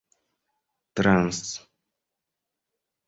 trans